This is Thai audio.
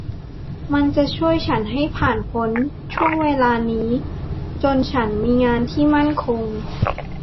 มันควรจะช่วยฉันให้ผ่านพ้นช่วงเวลานี้จนฉันมีงานที่มั่นคง